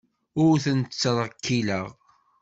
Ur tent-ttrekkileɣ.